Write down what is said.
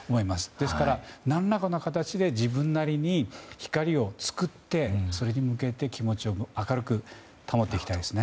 ですから、何らかの形で自分なりに光を作ってそれに向けて気持ちを明るく保っていきたいですね。